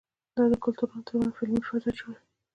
دا د کلتورونو ترمنځ علمي فضا جوړوي.